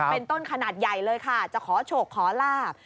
เป็นต้นขนาดใหญ่เลยค่ะจะขอโชคขอลาบ